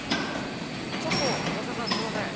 ちょっと嶋さんすいません